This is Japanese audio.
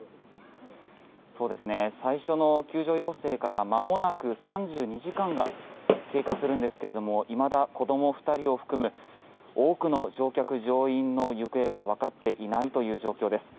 最初の救助要請からまもなく３２時間が経過するんですがいまだ子ども２人を含む多くの乗客・乗員の行方がわかっていないという状況です。